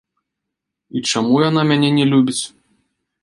І чаму яна мяне не любіць?